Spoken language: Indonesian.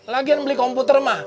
biar dia pergi beli komputer mah